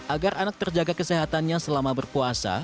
agar anak terjaga kesehatannya selama berpuasa